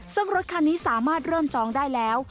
ซึ่งรถคันนี้สามารถเริ่มจองได้แล้ว